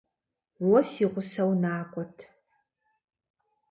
Уэ си гъусэу накӀуэт.